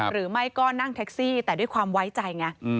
หรือไม่ก็นั่งแท็กซี่แต่ด้วยความไว้ใจไง